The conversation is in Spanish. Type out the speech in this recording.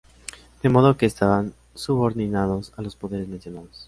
De modo que, estaban subordinados a los poderes mencionados.